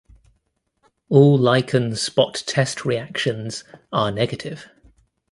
All lichen spot test reactions are negative.